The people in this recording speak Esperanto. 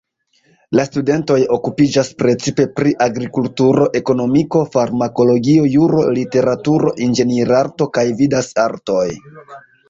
La studentoj okupiĝas precipe pri agrikulturo, ekonomiko, farmakologio, juro, literaturo, inĝenierarto kaj vidaj artoj.